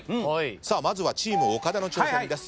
まずはチーム岡田の挑戦です。